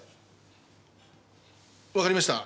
わかりました。